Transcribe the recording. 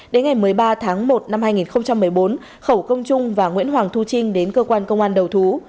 đến ngày một mươi ba tháng một năm hai nghìn một mươi bốn khẩu công trung và nguyễn hoàng thu trinh đến cơ quan công an đầu thú